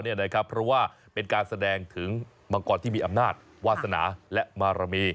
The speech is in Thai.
เพราะว่าเป็นการแสดงถึงมังกรที่มีอำนาจวาสนาและมารมี